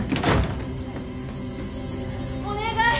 お願い。